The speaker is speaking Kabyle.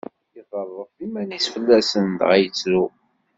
Iḍerref iman-is fell-asen dɣa yettru.